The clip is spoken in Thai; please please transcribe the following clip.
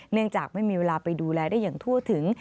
เนื่องจากไม่มีเวลาไปดูแลได้อย่างทั่วถึง